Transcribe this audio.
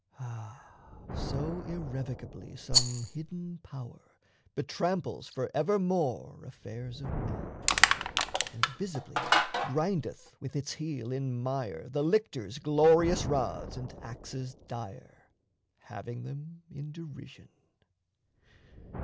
Ah, so irrevocably some hidden power Betramples forevermore affairs of men, And visibly grindeth with its heel in mire The lictors' glorious rods and axes dire, Having them in derision!